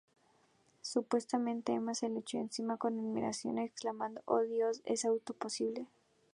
Supuestamente, Emma se le echó encima con admiración, exclamando, "Oh Dios, ¿es esto posible?